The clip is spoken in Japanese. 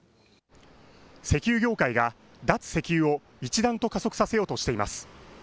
石油業界が脱・石油を一段と加速させようとしています。